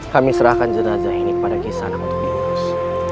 kami serahkan jenazah ini pada kisanak untuk diurus